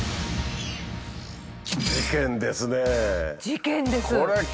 事件ですね。